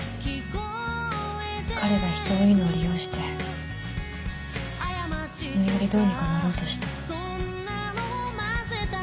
彼が人がいいのを利用して無理やりどうにかなろうとした。